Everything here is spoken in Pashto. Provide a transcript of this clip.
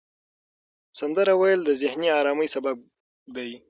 سندره ویل د ذهني آرامۍ سبب دی.